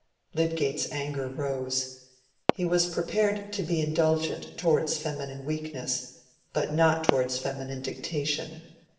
Lydgate's anger rose: he was prepared to be indulgent towards feminine weakness, but not towards feminine dictation.